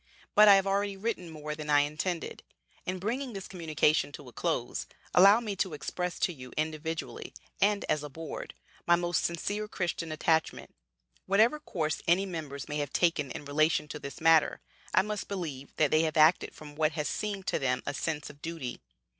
"But I have already written more than I intended. In bringing this communication to a close, allow me to express to you individually, and as a Board, my most sincere Christian attachment. Whatever course any members may have taken in relation to this matter, I must believe that they have acted from what has seemed to them a sense of duty.